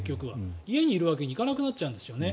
家にいるわけにはいかなくなっちゃうんですよね。